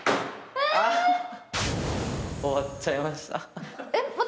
終わっちゃいました。